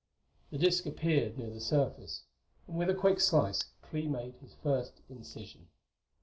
The disk appeared near the surface, and with a quick slice Clee made his first incision.